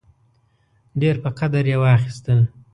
ډېر په قدر یې واخیستل.